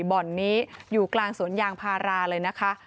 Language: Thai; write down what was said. บ่อนนี้อยู่กลางสวนยางพาราเลยนะคะ